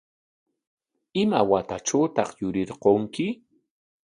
¿Ima watatrawtaq yurirqanki?